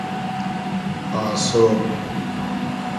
آسۉ